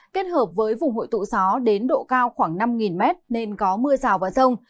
kết hợp với vùng hội tụ gió đến độ cao khoảng năm mét nên có mưa rào và rông